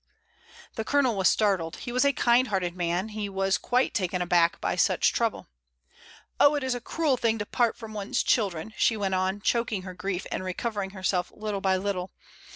The Colonel was startled; he was a kind hearted man, he was quite taken aback by such trouble. "Oh, it is a cruel thing to part from one's chil dren," she went on, choking her grief and recover ing herself little by little.